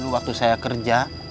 waktu saya kerja